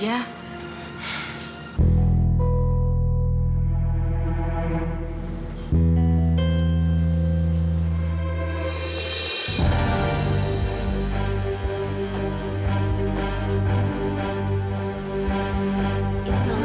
ini kalau siapa ma